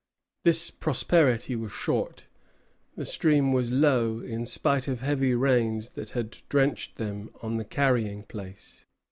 This prosperity was short. The stream was low, in spite of heavy rains that had drenched them on the carrying place.